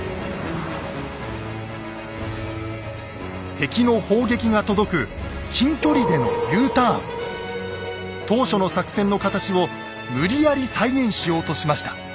敵の砲撃が届く当初の作戦の形を無理やり再現しようとしました。